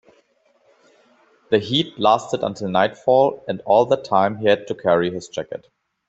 The heat lasted until nightfall, and all that time he had to carry his jacket.